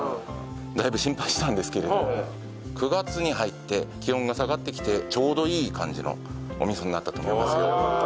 だいぶ心配したんですけれども９月に入って気温が下がってきてちょうどいい感じのお味噌になったと思いますよ。